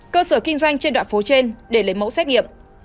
cơ sở kinh doanh trên đoạn phố trên để lấy mẫu xét nghiệm